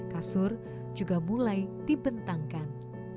kasur juga mulai dibentangkan